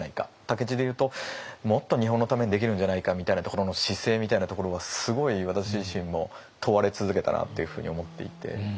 武市でいうともっと日本のためにできるんじゃないかみたいなところの姿勢みたいなところはすごい私自身も問われ続けたなっていうふうに思っていて。